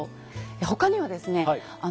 他にはですね